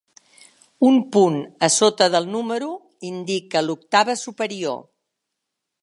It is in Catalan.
Un punt a sota del número indica l'octava superior.